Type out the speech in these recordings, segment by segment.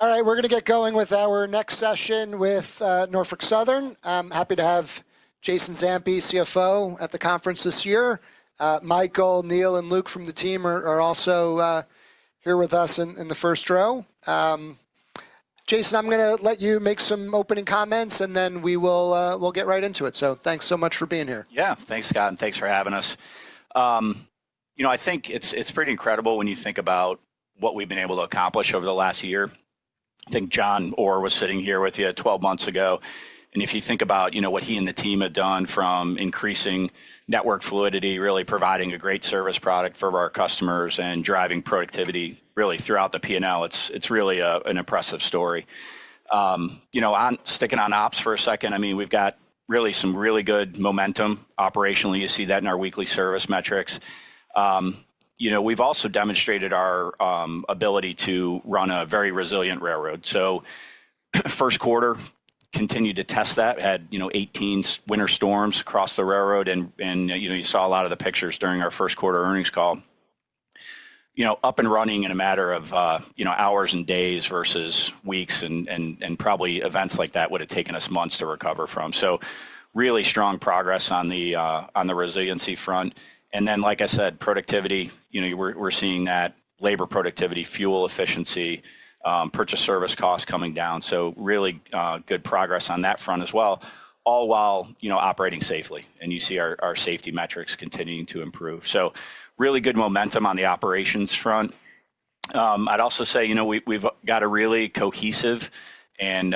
All right, we're going to get going with our next session with Norfolk Southern. I'm happy to have Jason Zampi, CFO, at the conference this year. Michael, Nil, and Luke from the team are also here with us in the first row. Jason, I'm going to let you make some opening comments, and then we will get right into it. Thanks so much for being here. Yeah, thanks, Scott, and thanks for having us. You know, I think it's pretty incredible when you think about what we've been able to accomplish over the last year. I think John Orr was sitting here with you 12 months ago. If you think about what he and the team have done from increasing network fluidity, really providing a great service product for our customers, and driving productivity really throughout the P&L, it's really an impressive story. You know, sticking on ops for a second, I mean, we've got some really good momentum operationally. You see that in our weekly service metrics. You know, we've also demonstrated our ability to run a very resilient railroad. First quarter continued to test that. We had 18 winter storms across the railroad, and you saw a lot of the pictures during our first quarter earnings call. You know, up and running in a matter of hours and days versus weeks, and probably events like that would have taken us months to recover from. Really strong progress on the resiliency front. Like I said, productivity. You know, we're seeing that labor productivity, fuel efficiency, purchase service costs coming down. Really good progress on that front as well, all while operating safely. You see our safety metrics continuing to improve. Really good momentum on the operations front. I'd also say, you know, we've got a really cohesive and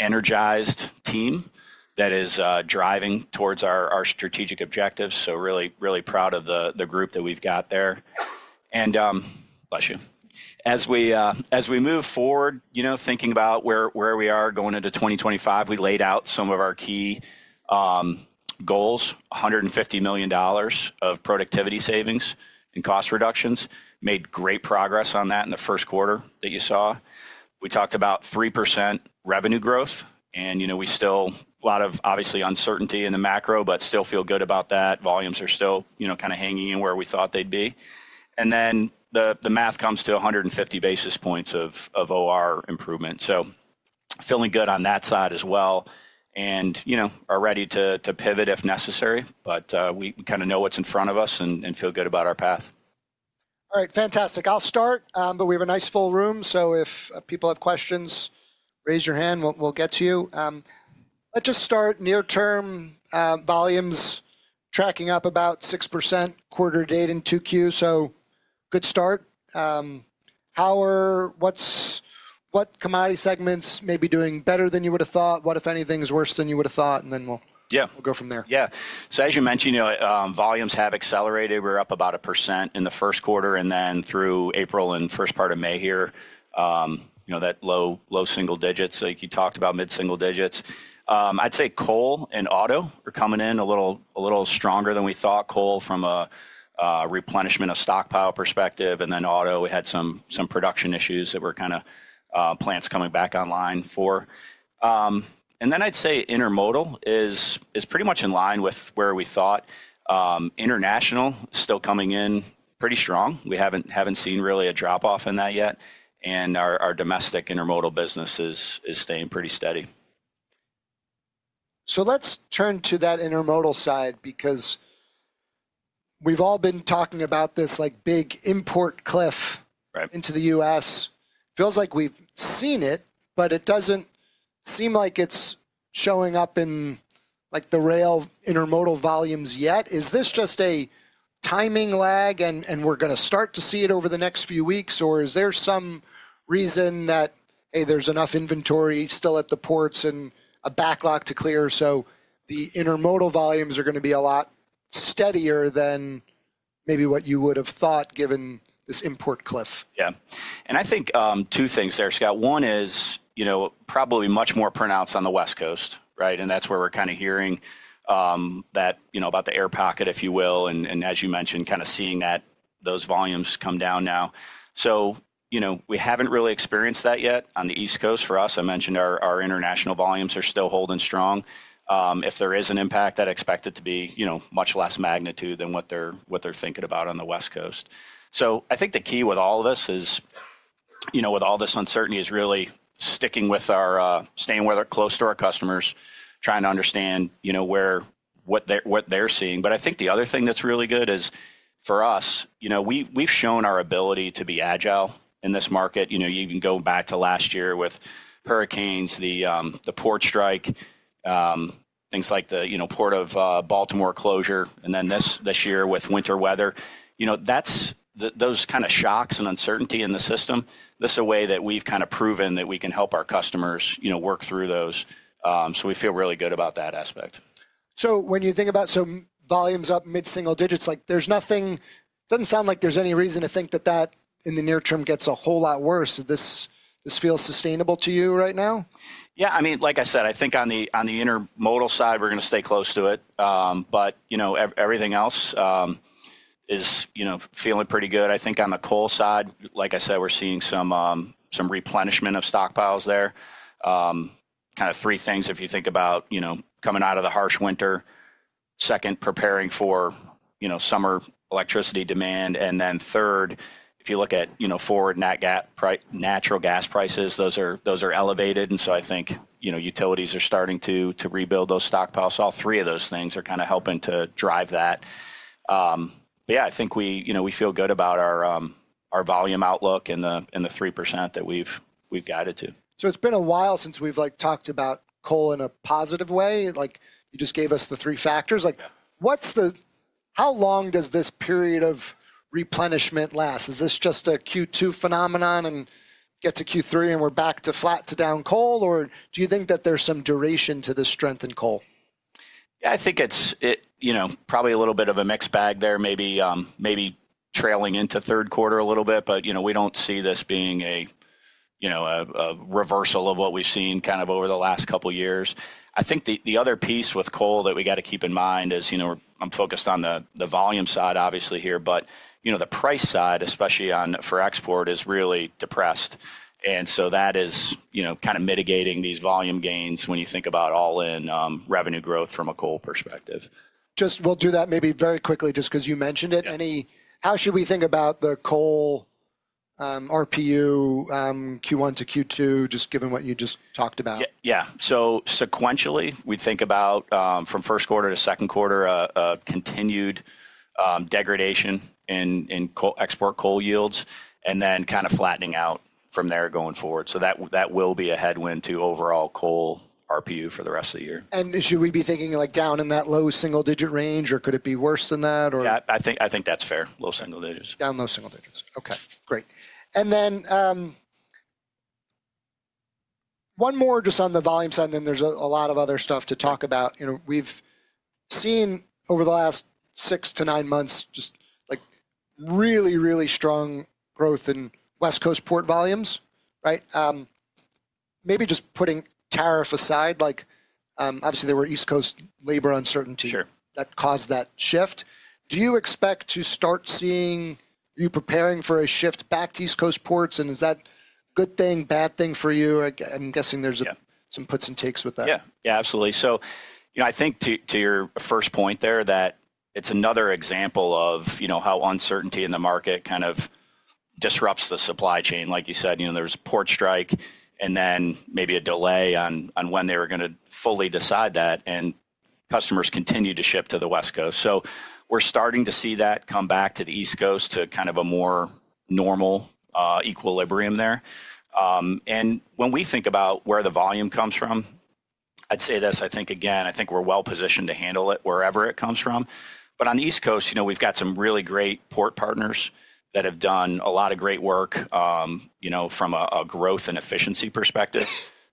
energized team that is driving towards our strategic objectives. Really, really proud of the group that we've got there. Bless you. As we move forward, you know, thinking about where we are going into 2025, we laid out some of our key goals: $150 million of productivity savings and cost reductions. Made great progress on that in the first quarter that you saw. We talked about 3% revenue growth. You know, we still have a lot of, obviously, uncertainty in the macro, but still feel good about that. Volumes are still kind of hanging in where we thought they'd be. The math comes to 150 basis points of OR improvement. Feeling good on that side as well. You know, are ready to pivot if necessary. We kind of know what's in front of us and feel good about our path. All right, fantastic. I'll start, but we have a nice full room. If people have questions, raise your hand. We'll get to you. Let's just start. Near-term volumes tracking up about 6% quarter to date in 2Q. Good start. How are what commodity segments maybe doing better than you would have thought? What, if anything, is worse than you would have thought? We'll go from there. Yeah. As you mentioned, volumes have accelerated. We're up about 1% in the first quarter. Through April and the first part of May here, you know, that low single digits. Like you talked about, mid-single digits. I'd say coal and auto are coming in a little stronger than we thought. Coal from a replenishment of stockpile perspective. Auto, we had some production issues that were kind of plants coming back online for. I'd say intermodal is pretty much in line with where we thought. International is still coming in pretty strong. We haven't seen really a drop-off in that yet. Our domestic intermodal business is staying pretty steady. Let's turn to that intermodal side because we've all been talking about this big import cliff into the U.S.. Feels like we've seen it, but it doesn't seem like it's showing up in the rail intermodal volumes yet. Is this just a timing lag, and we're going to start to see it over the next few weeks? Or is there some reason that, hey, there's enough inventory still at the ports and a backlog to clear, so the intermodal volumes are going to be a lot steadier than maybe what you would have thought given this import cliff? Yeah. I think two things there, Scott. One is, you know, probably much more pronounced on the West Coast, right? That's where we're kind of hearing that about the air pocket, if you will. As you mentioned, kind of seeing those volumes come down now. You know, we haven't really experienced that yet on the East Coast for us. I mentioned our international volumes are still holding strong. If there is an impact, I'd expect it to be much less magnitude than what they're thinking about on the West Coast. I think the key with all of this is, you know, with all this uncertainty, is really sticking with our staying close to our customers, trying to understand, you know, what they're seeing. I think the other thing that's really good is for us, you know, we've shown our ability to be agile in this market. You know, you can go back to last year with hurricanes, the port strike, things like the Port of Baltimore closure, and then this year with winter weather. You know, those kind of shocks and uncertainty in the system, this is a way that we've kind of proven that we can help our customers work through those. So we feel really good about that aspect. When you think about some volumes up mid-single digits, like there's nothing, doesn't sound like there's any reason to think that that in the near term gets a whole lot worse. Does this feel sustainable to you right now? Yeah, I mean, like I said, I think on the intermodal side, we're going to stay close to it. You know, everything else is feeling pretty good. I think on the coal side, like I said, we're seeing some replenishment of stockpiles there. Kind of three things if you think about coming out of the harsh winter. Second, preparing for summer electricity demand. Third, if you look at forward natural gas prices, those are elevated. I think utilities are starting to rebuild those stockpiles. All three of those things are kind of helping to drive that. Yeah, I think we feel good about our volume outlook and the 3% that we've guided to. It's been a while since we've talked about coal in a positive way. Like you just gave us the three factors. How long does this period of replenishment last? Is this just a Q2 phenomenon and gets to Q3 and we're back to flat to down coal? Or do you think that there's some duration to this strength in coal? Yeah, I think it's probably a little bit of a mixed bag there, maybe trailing into third quarter a little bit. You know, we don't see this being a reversal of what we've seen kind of over the last couple of years. I think the other piece with coal that we got to keep in mind is, you know, I'm focused on the volume side, obviously, here. You know, the price side, especially for export, is really depressed. That is kind of mitigating these volume gains when you think about all-in revenue growth from a coal perspective. Just we'll do that maybe very quickly just because you mentioned it. How should we think about the coal RPU Q1 to Q2, just given what you just talked about? Yeah. Sequentially, we think about from first quarter to second quarter a continued degradation in export coal yields and then kind of flattening out from there going forward. That will be a headwind to overall coal RPU for the rest of the year. Should we be thinking like down in that low single digit range? Or could it be worse than that? Yeah, I think that's fair. Low single digits. Down low single digits. OK, great. One more just on the volume side, and then there's a lot of other stuff to talk about. We've seen over the last six to nine months just like really, really strong growth in West Coast port volumes, right? Maybe just putting tariff aside, like obviously there were East Coast labor uncertainty that caused that shift. Do you expect to start seeing you preparing for a shift back to East Coast ports? Is that a good thing, bad thing for you? I'm guessing there's some puts and takes with that. Yeah, yeah, absolutely. You know, I think to your first point there that it's another example of how uncertainty in the market kind of disrupts the supply chain. Like you said, you know, there's a port strike and then maybe a delay on when they were going to fully decide that. Customers continue to ship to the West Coast. We're starting to see that come back to the East Coast to kind of a more normal equilibrium there. When we think about where the volume comes from, I'd say this. I think, again, I think we're well positioned to handle it wherever it comes from. On the East Coast, you know, we've got some really great port partners that have done a lot of great work from a growth and efficiency perspective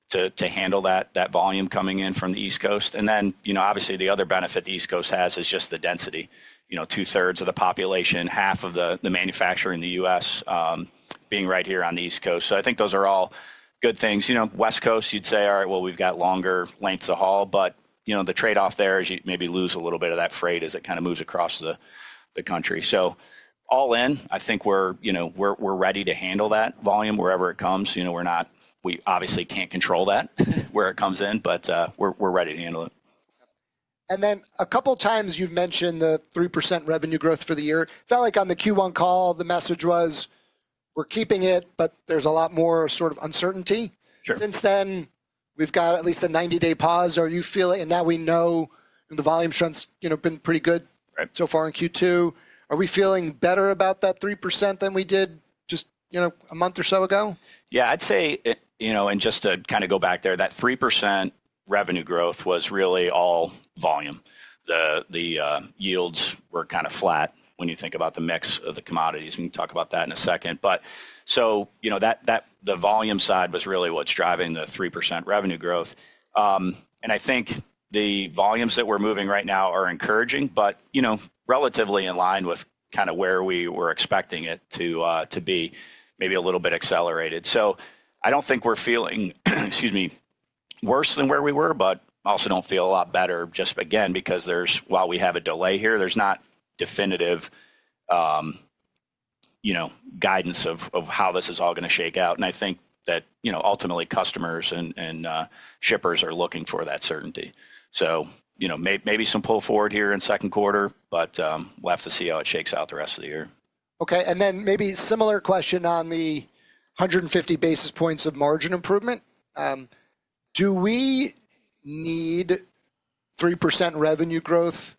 to handle that volume coming in from the East Coast. You know, obviously the other benefit the East Coast has is just the density. You know, two-thirds of the population, half of the manufacturing in the United States being right here on the East Coast. I think those are all good things. You know, West Coast, you'd say, all right, we've got longer lengths of haul. The trade-off there is you maybe lose a little bit of that freight as it kind of moves across the country. All in, I think we're ready to handle that volume wherever it comes. You know, we obviously can't control where it comes in, but we're ready to handle it. A couple of times you've mentioned the 3% revenue growth for the year. It felt like on the Q1 call, the message was, we're keeping it, but there's a lot more sort of uncertainty. Since then, we've got at least a 90-day pause. Are you feeling now we know the volume trend's been pretty good so far in Q2. Are we feeling better about that 3% than we did just a month or so ago? Yeah, I'd say, you know, and just to kind of go back there, that 3% revenue growth was really all volume. The yields were kind of flat when you think about the mix of the commodities. We can talk about that in a second. You know, the volume side was really what's driving the 3% revenue growth. I think the volumes that we're moving right now are encouraging, but you know, relatively in line with kind of where we were expecting it to be, maybe a little bit accelerated. I don't think we're feeling, excuse me, worse than where we were, but I also don't feel a lot better just again because while we have a delay here, there's not definitive guidance of how this is all going to shake out. I think that ultimately customers and shippers are looking for that certainty. You know, maybe some pull forward here in second quarter, but we'll have to see how it shakes out the rest of the year. OK. Maybe similar question on the 150 basis points of margin improvement. Do we need 3% revenue growth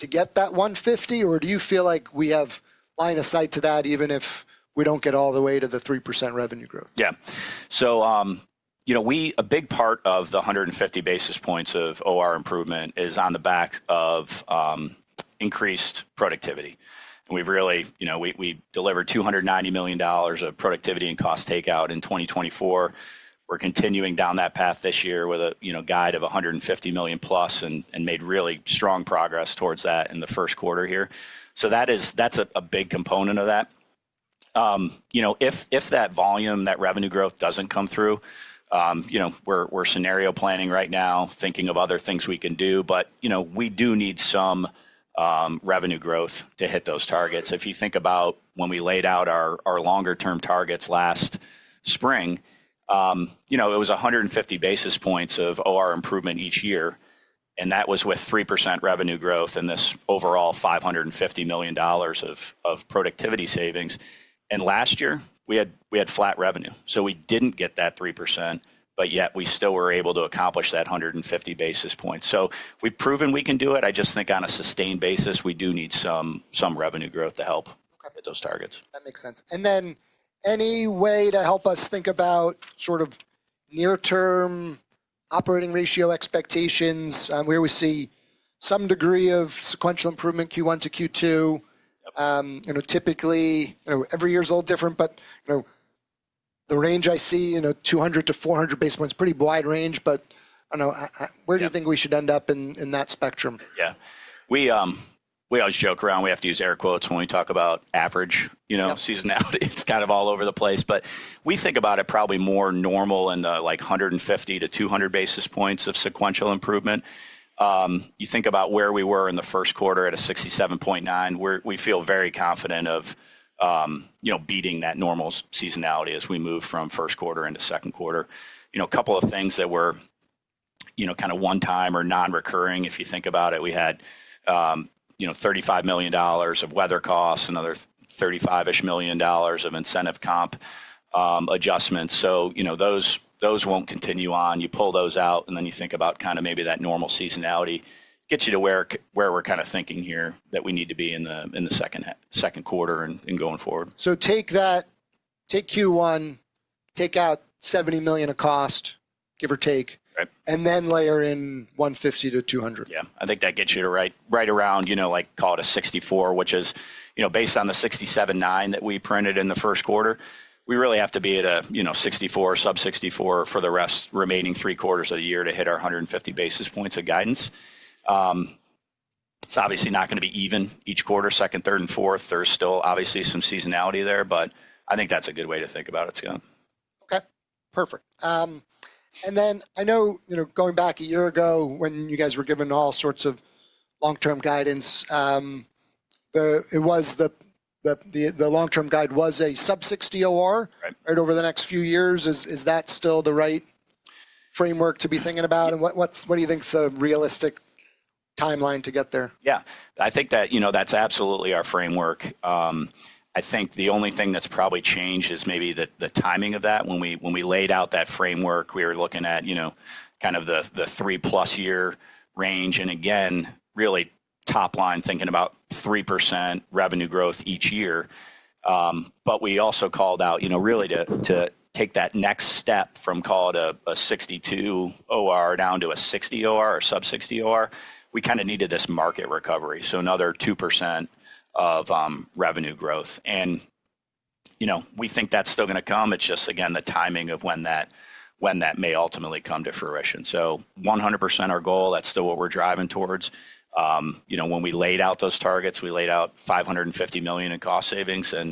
to get that 150? Or do you feel like we have line of sight to that even if we do not get all the way to the 3% revenue growth? Yeah. So you know, a big part of the 150 basis points of OR improvement is on the back of increased productivity. And we've really, you know, we delivered $290 million of productivity and cost takeout in 2024. We're continuing down that path this year with a guide of $150 million plus and made really strong progress towards that in the first quarter here. So that's a big component of that. You know, if that volume, that revenue growth doesn't come through, you know, we're scenario planning right now, thinking of other things we can do. But you know, we do need some revenue growth to hit those targets. If you think about when we laid out our longer-term targets last spring, you know, it was 150 basis points of OR improvement each year. And that was with 3% revenue growth and this overall $550 million of productivity savings. Last year, we had flat revenue. We did not get that 3%, but yet we still were able to accomplish that 150 basis points. We have proven we can do it. I just think on a sustained basis, we do need some revenue growth to help hit those targets. That makes sense. And then any way to help us think about sort of near-term operating ratio expectations where we see some degree of sequential improvement Q1 to Q2? You know, typically, every year is a little different, but the range I see, you know, 200-400 basis points is a pretty wide range. But I do not know, where do you think we should end up in that spectrum? Yeah. We always joke around. We have to use air quotes when we talk about average seasonality. It is kind of all over the place. But we think about it probably more normal in the like 150-200 basis points of sequential improvement. You think about where we were in the first quarter at a 67.9%, we feel very confident of beating that normal seasonality as we move from first quarter into second quarter. You know, a couple of things that were kind of one-time or non-recurring, if you think about it, we had $35 million of weather costs and another $35 million-ish of incentive comp adjustments. So you know, those will not continue on. You pull those out, and then you think about kind of maybe that normal seasonality gets you to where we are kind of thinking here that we need to be in the second quarter and going forward. Take Q1, take out $70 million of cost, give or take, and then layer in 150-200 basis points. Yeah. I think that gets you to right around, you know, like call it a 64%, which is, you know, based on the 67.9% that we printed in the first quarter, we really have to be at a 64%, sub-64% for the rest remaining three quarters of the year to hit our 150 basis points of guidance. It's obviously not going to be even each quarter, second, third, and fourth. There's still obviously some seasonality there, but I think that's a good way to think about it, Scott. OK, perfect. I know, you know, going back a year ago when you guys were giving all sorts of long-term guidance, the long-term guide was a sub-60% OR right over the next few years. Is that still the right framework to be thinking about? What do you think's the realistic timeline to get there? Yeah. I think that, you know, that's absolutely our framework. I think the only thing that's probably changed is maybe the timing of that. When we laid out that framework, we were looking at, you know, kind of the three-plus year range. I mean, really top line thinking about 3% revenue growth each year. We also called out, you know, really to take that next step from, call it, a 62% OR down to a 60% OR or sub-60% OR, we kind of needed this market recovery. Another 2% of revenue growth. You know, we think that's still going to come. It's just, again, the timing of when that may ultimately come to fruition. 100% our goal, that's still what we're driving towards. You know, when we laid out those targets, we laid out $550 million in cost savings. You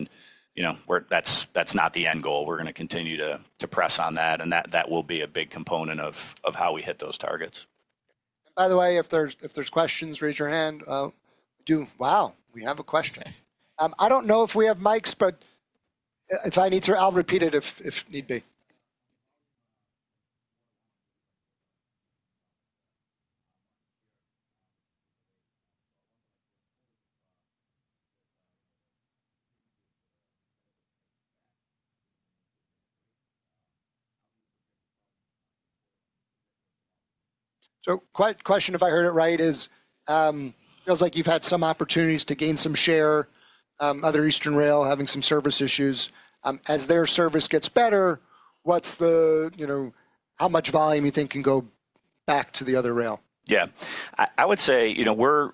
know, that's not the end goal. We're going to continue to press on that. That will be a big component of how we hit those targets. By the way, if there's questions, raise your hand. Wow, we have a question. I don't know if we have mics, but if I need to, I'll repeat it if need be. Question, if I heard it right, is it feels like you've had some opportunities to gain some share, other Eastern rail having some service issues. As their service gets better, what's the, you know, how much volume you think can go back to the other rail? Yeah. I would say, you know, we're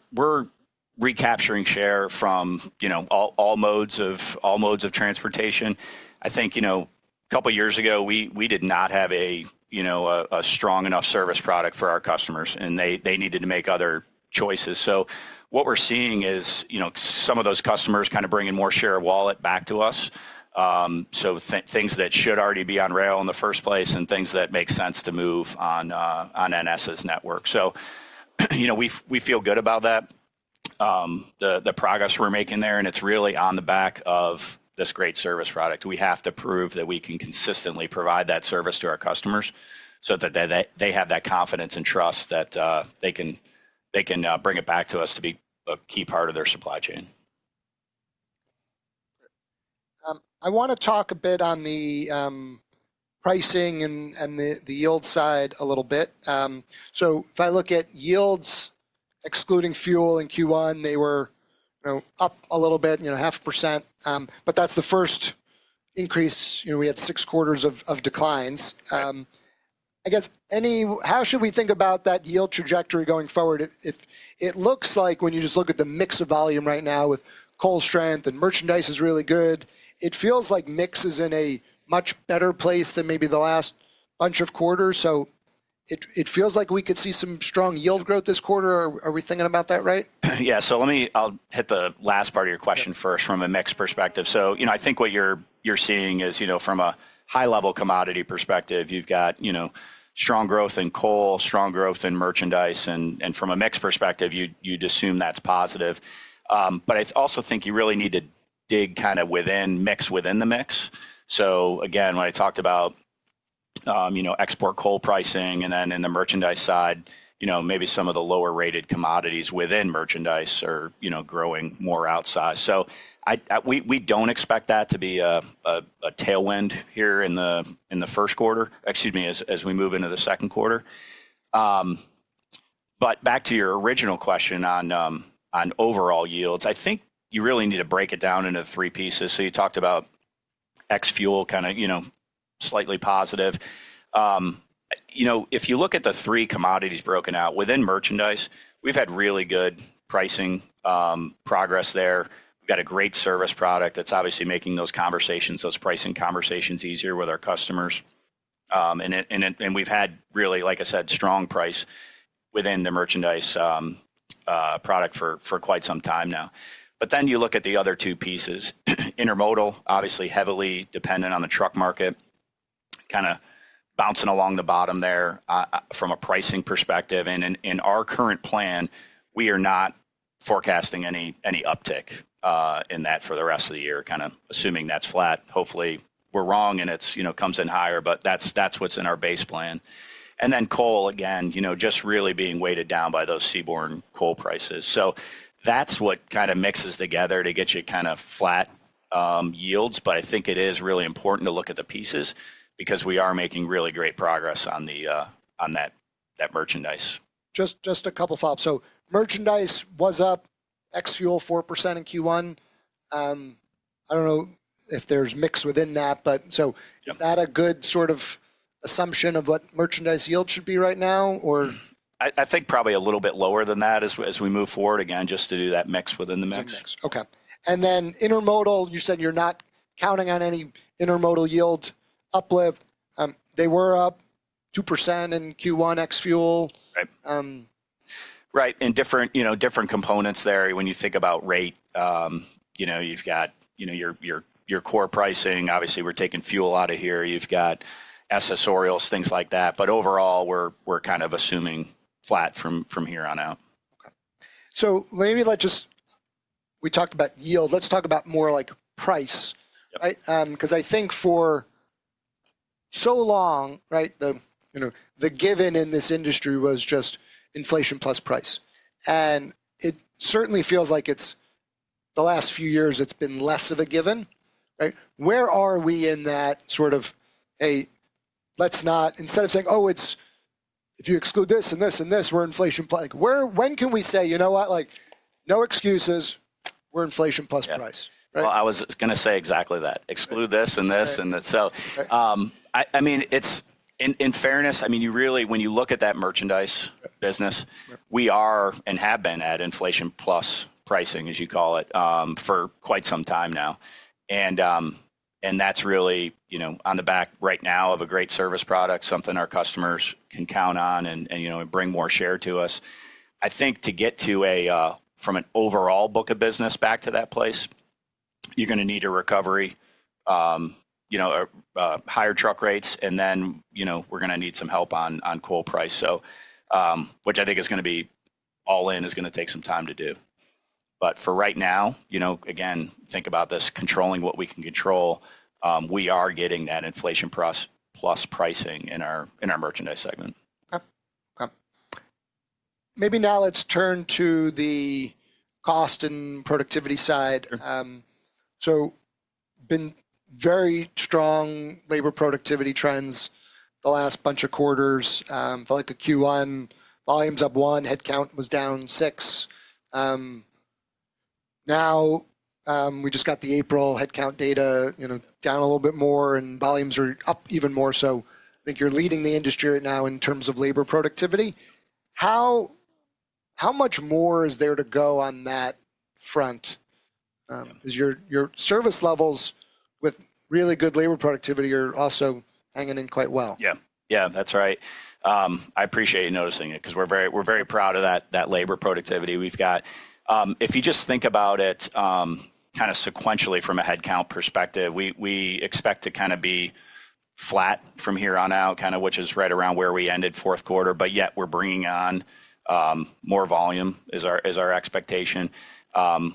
recapturing share from all modes of transportation. I think, you know, a couple of years ago, we did not have a strong enough service product for our customers. They needed to make other choices. What we're seeing is, you know, some of those customers kind of bringing more share of wallet back to us. Things that should already be on rail in the first place and things that make sense to move on NS's network. You know, we feel good about that, the progress we're making there. It's really on the back of this great service product. We have to prove that we can consistently provide that service to our customers so that they have that confidence and trust that they can bring it back to us to be a key part of their supply chain. I want to talk a bit on the pricing and the yield side a little bit. If I look at yields excluding fuel in Q1, they were up a little bit, you know, half a percent. That is the first increase. You know, we had six quarters of declines. I guess, how should we think about that yield trajectory going forward? It looks like when you just look at the mix of volume right now with coal strength and merchandise is really good, it feels like mix is in a much better place than maybe the last bunch of quarters. It feels like we could see some strong yield growth this quarter. Are we thinking about that right? Yeah. Let me, I'll hit the last part of your question first from a mix perspective. You know, I think what you're seeing is, you know, from a high-level commodity perspective, you've got strong growth in coal, strong growth in merchandise. From a mix perspective, you'd assume that's positive. I also think you really need to dig kind of within mix, within the mix. Again, when I talked about export coal pricing and then in the merchandise side, maybe some of the lower-rated commodities within merchandise are growing more outside. We don't expect that to be a tailwind here in the first quarter, excuse me, as we move into the second quarter. Back to your original question on overall yields, I think you really need to break it down into three pieces. You talked about ex-fuel kind of, you know, slightly positive. You know, if you look at the three commodities broken out within merchandise, we've had really good pricing progress there. We've got a great service product that's obviously making those conversations, those pricing conversations easier with our customers. And we've had really, like I said, strong price within the merchandise product for quite some time now. You look at the other two pieces, intermodal, obviously heavily dependent on the truck market, kind of bouncing along the bottom there from a pricing perspective. In our current plan, we are not forecasting any uptick in that for the rest of the year, kind of assuming that's flat. Hopefully, we're wrong and it comes in higher, but that's what's in our base plan. Then coal, again, you know, just really being weighted down by those Seaborn coal prices. That's what kind of mixes together to get you kind of flat yields. But I think it is really important to look at the pieces because we are making really great progress on that merchandise. Just a couple of thoughts. Merchandise was up ex-fuel 4% in Q1. I do not know if there is mix within that, but is that a good sort of assumption of what merchandise yield should be right now or? I think probably a little bit lower than that as we move forward again, just to do that mix within the mix. Mix. OK. And then intermodal, you said you're not counting on any intermodal yield uplift. They were up 2% in Q1 ex-fuel. Right. And different components there. When you think about rate, you know, you've got your core pricing. Obviously, we're taking fuel out of here. You've got accessorials, things like that. But overall, we're kind of assuming flat from here on out. Maybe let's just, we talked about yield. Let's talk about more like price. Because I think for so long, right, the given in this industry was just inflation plus price. It certainly feels like the last few years, it's been less of a given. Where are we in that sort of, hey, let's not, instead of saying, oh, if you exclude this and this and this, we're inflation plus. When can we say, you know what, like no excuses, we're inflation plus price? I was going to say exactly that. Exclude this and this. I mean, in fairness, you really, when you look at that merchandise business, we are and have been at inflation plus pricing, as you call it, for quite some time now. That is really, you know, on the back right now of a great service product, something our customers can count on and bring more share to us. I think to get to a, from an overall book of business, back to that place, you are going to need a recovery, you know, higher truck rates. You know, we are going to need some help on coal price, which I think is going to be all in, is going to take some time to do. For right now, you know, again, think about this controlling what we can control. We are getting that inflation plus pricing in our merchandise segment. Maybe now let's turn to the cost and productivity side. Been very strong labor productivity trends the last bunch of quarters. Felt like Q1 volumes up one, headcount was down six. Now we just got the April headcount data, you know, down a little bit more and volumes are up even more. I think you're leading the industry right now in terms of labor productivity. How much more is there to go on that front? Because your service levels with really good labor productivity are also hanging in quite well. Yeah. Yeah, that's right. I appreciate you noticing it because we're very proud of that labor productivity we've got. If you just think about it kind of sequentially from a headcount perspective, we expect to kind of be flat from here on out, kind of which is right around where we ended fourth quarter. Yet we're bringing on more volume is our expectation.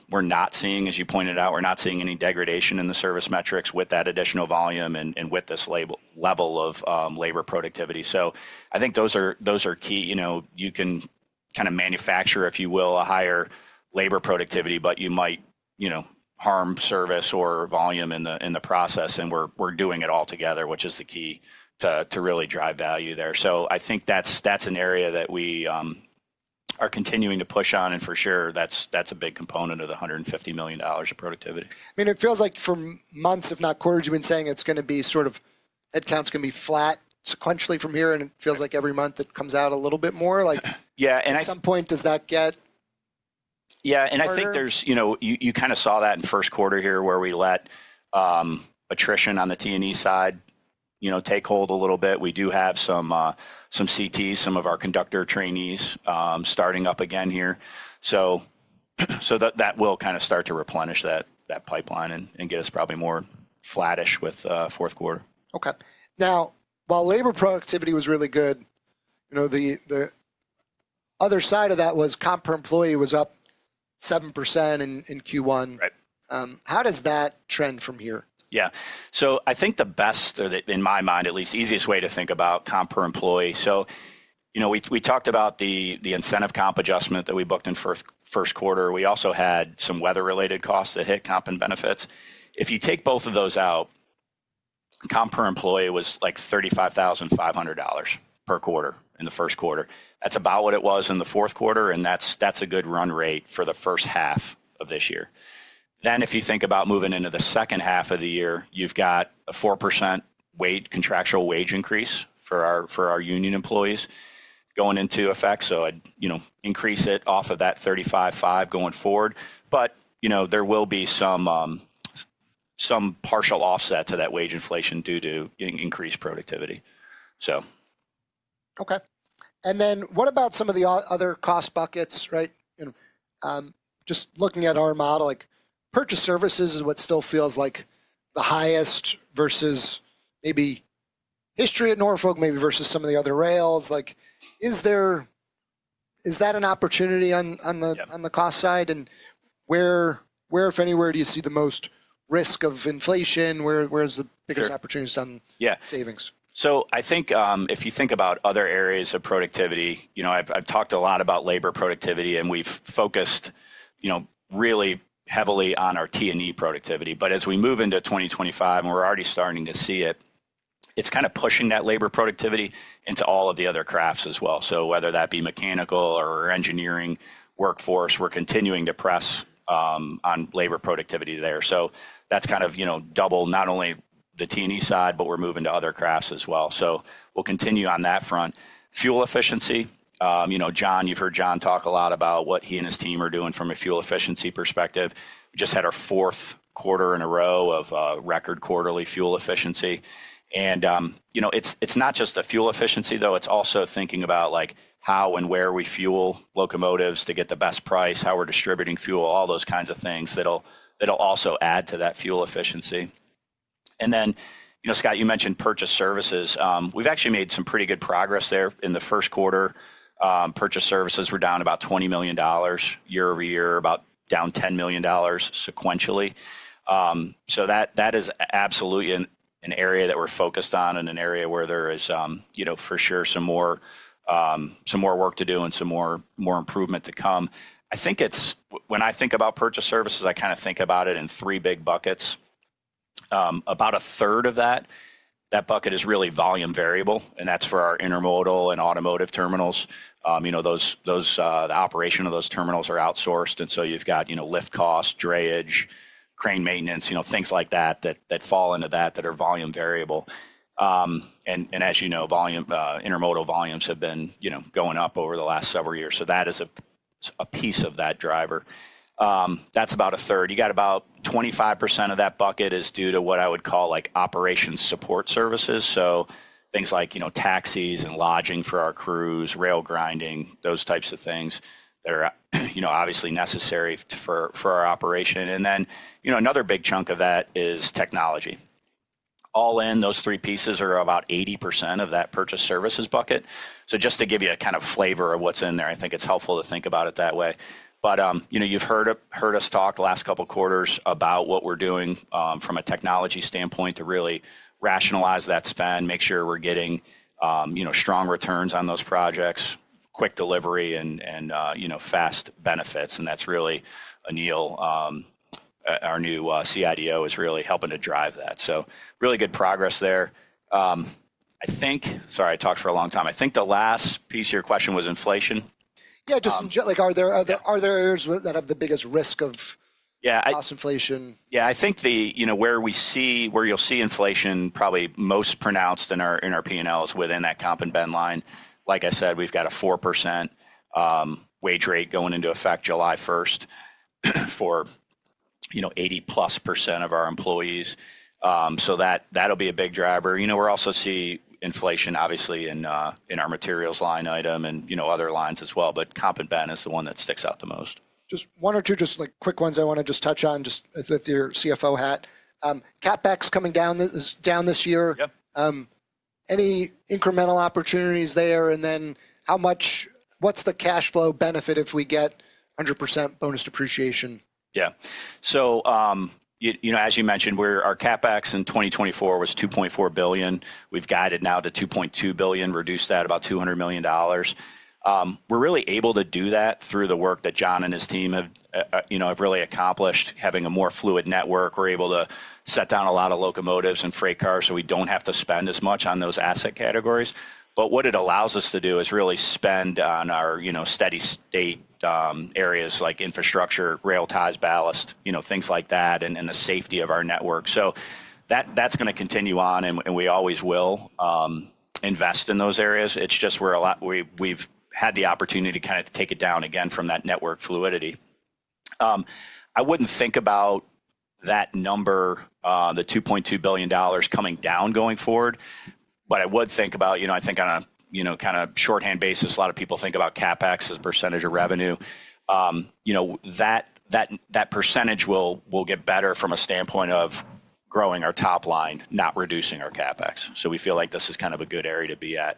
We're not seeing, as you pointed out, we're not seeing any degradation in the service metrics with that additional volume and with this level of labor productivity. I think those are key. You know, you can kind of manufacture, if you will, a higher labor productivity, but you might, you know, harm service or volume in the process. We're doing it all together, which is the key to really drive value there. I think that's an area that we are continuing to push on. For sure, that's a big component of the $150 million of productivity. I mean, it feels like for months, if not quarters, you've been saying it's going to be sort of headcount's going to be flat sequentially from here. It feels like every month it comes out a little bit more. Like at some point, does that get? Yeah. I think there's, you know, you kind of saw that in first quarter here where we let attrition on the T&E side, you know, take hold a little bit. We do have some CTs, some of our conductor trainees starting up again here. That will kind of start to replenish that pipeline and get us probably more flattish with fourth quarter. OK. Now, while labor productivity was really good, you know, the other side of that was comp per employee was up 7% in Q1. How does that trend from here? Yeah. So I think the best, or in my mind at least, easiest way to think about comp per employee. So you know, we talked about the incentive comp adjustment that we booked in first quarter. We also had some weather-related costs that hit comp and benefits. If you take both of those out, comp per employee was like $35,500 per quarter in the first quarter. That's about what it was in the fourth quarter. And that's a good run rate for the first half of this year. If you think about moving into the second half of the year, you've got a 4% contractual wage increase for our union employees going into effect. So you know, increase it off of that $35,500 going forward. But you know, there will be some partial offset to that wage inflation due to increased productivity. OK. What about some of the other cost buckets, right? Just looking at our model, like purchase services is what still feels like the highest versus maybe history at Norfolk, maybe versus some of the other rails. Is that an opportunity on the cost side? Where, if anywhere, do you see the most risk of inflation? Where's the biggest opportunities on savings? I think if you think about other areas of productivity, you know, I've talked a lot about labor productivity. We've focused, you know, really heavily on our T&E productivity. As we move into 2025, and we're already starting to see it, it's kind of pushing that labor productivity into all of the other crafts as well. Whether that be mechanical or engineering workforce, we're continuing to press on labor productivity there. That's kind of, you know, double, not only the T&E side, but we're moving to other crafts as well. We'll continue on that front. Fuel efficiency. You know, John, you've heard John talk a lot about what he and his team are doing from a fuel efficiency perspective. We just had our fourth quarter in a row of record quarterly fuel efficiency. You know, it's not just a fuel efficiency, though. It's also thinking about like how and where we fuel locomotives to get the best price, how we're distributing fuel, all those kinds of things that'll also add to that fuel efficiency. And then, you know, Scott, you mentioned purchase services. We've actually made some pretty good progress there in the first quarter. Purchase services were down about $20 million year over year, about down $10 million sequentially. So that is absolutely an area that we're focused on and an area where there is, you know, for sure some more work to do and some more improvement to come. I think it's when I think about purchase services, I kind of think about it in three big buckets. About a third of that bucket is really volume variable. And that's for our intermodal and automotive terminals. You know, the operation of those terminals are outsourced. You have got, you know, lift costs, drayage, crane maintenance, you know, things like that that fall into that that are volume variable. As you know, intermodal volumes have been, you know, going up over the last several years. That is a piece of that driver. That is about a third. You have got about 25% of that bucket is due to what I would call like operation support services. Things like, you know, taxis and lodging for our crews, rail grinding, those types of things that are, you know, obviously necessary for our operation. Then, you know, another big chunk of that is technology. All in, those three pieces are about 80% of that purchase services bucket. Just to give you a kind of flavor of what is in there, I think it is helpful to think about it that way. You know, you've heard us talk the last couple of quarters about what we're doing from a technology standpoint to really rationalize that spend, make sure we're getting, you know, strong returns on those projects, quick delivery, and, you know, fast benefits. That's really Anil, our new CIDO, is really helping to drive that. Really good progress there. I think, sorry, I talked for a long time. I think the last piece of your question was inflation. Yeah, just like are there areas that have the biggest risk of cost inflation? Yeah, I think the, you know, where we see where you'll see inflation probably most pronounced in our P&L is within that comp and bend line. Like I said, we've got a 4% wage rate going into effect July 1 for, you know, +80% of our employees. So that'll be a big driver. You know, we're also seeing inflation, obviously, in our materials line item and, you know, other lines as well. But comp and bend is the one that sticks out the most. Just one or two just like quick ones. I want to just touch on just with your CFO hat. CapEx coming down this year. Any incremental opportunities there? And then how much what's the cash flow benefit if we get 100% bonus depreciation? Yeah. So, you know, as you mentioned, our CapEx in 2024 was $2.4 billion. We've guided now to $2.2 billion, reduced that about $200 million. We're really able to do that through the work that John and his team have, you know, have really accomplished having a more fluid network. We're able to set down a lot of locomotives and freight cars so we do not have to spend as much on those asset categories. What it allows us to do is really spend on our, you know, steady state areas like infrastructure, rail ties, ballast, things like that and the safety of our network. That is going to continue on. We always will invest in those areas. It is just we are a lot, we have had the opportunity to kind of take it down again from that network fluidity. I wouldn't think about that number, the $2.2 billion coming down going forward. I would think about, you know, I think on a, you know, kind of shorthand basis, a lot of people think about CapEx as a percentage of revenue. You know, that percentage will get better from a standpoint of growing our top line, not reducing our CapEx. We feel like this is kind of a good area to be at.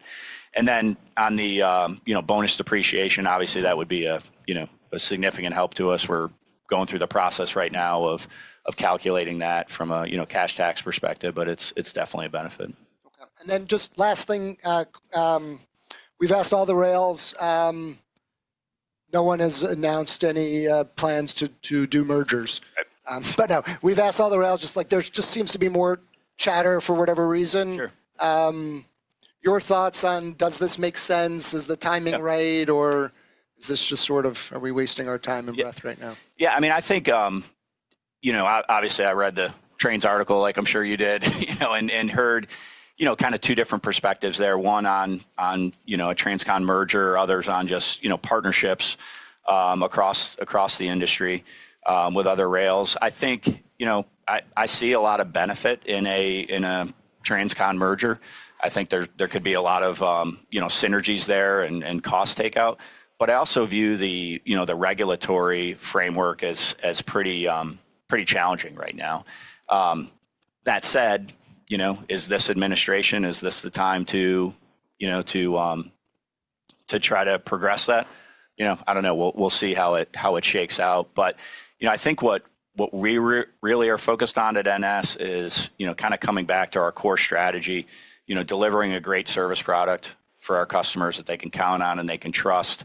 On the, you know, bonus depreciation, obviously, that would be a, you know, a significant help to us. We're going through the process right now of calculating that from a, you know, cash tax perspective. It's definitely a benefit. Just last thing. We've asked all the rails. No one has announced any plans to do mergers. We've asked all the rails just like there just seems to be more chatter for whatever reason. Your thoughts on does this make sense? Is the timing right? Is this just sort of are we wasting our time and breath right now? Yeah. I mean, I think, you know, obviously, I read the Trains article, like I'm sure you did, you know, and heard, you know, kind of two different perspectives there. One on, you know, a Transcon merger, others on just, you know, partnerships across the industry with other rails. I think, you know, I see a lot of benefit in a Transcon merger. I think there could be a lot of, you know, synergies there and cost takeout. I also view the, you know, the regulatory framework as pretty challenging right now. That said, you know, is this administration, is this the time to, you know, to try to progress that? You know, I don't know. We'll see how it shakes out. But, you know, I think what we really are focused on at NS is, you know, kind of coming back to our core strategy, you know, delivering a great service product for our customers that they can count on and they can trust,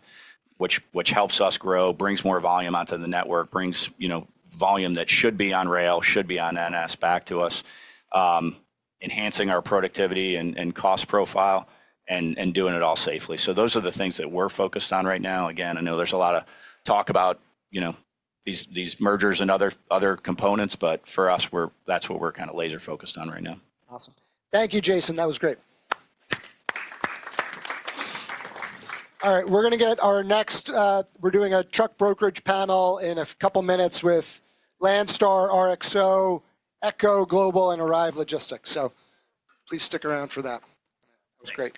which helps us grow, brings more volume onto the network, brings, you know, volume that should be on rail, should be on NS back to us, enhancing our productivity and cost profile and doing it all safely. Those are the things that we're focused on right now. Again, I know there's a lot of talk about, you know, these mergers and other components. For us, that's what we're kind of laser focused on right now. Awesome. Thank you, Jason. That was great. All right. We're going to get our next, we're doing a truck brokerage panel in a couple of minutes with Landstar, RXO, Echo Global, and Arrive Logistics. So please stick around for that. That was great.